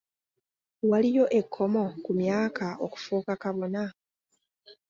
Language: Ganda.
Waliyo ekkomo ku myaka okufuuka kabona?